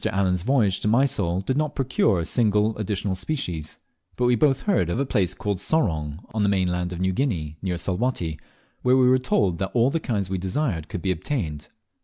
Allen's voyage to Mysol did not procure a single additional species, but we both heard of a place called Sorong, on the mainland of New Guinea, near Salwatty, where we were told that all the kinds we desired could be obtained.